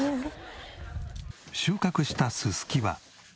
収穫したススキは。